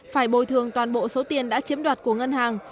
phải bồi thường toàn bộ số tiền đã chiếm đoạt của ngân hàng